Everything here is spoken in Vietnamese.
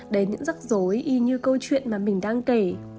đến những giấc dối y như câu chuyện mà mình đang kể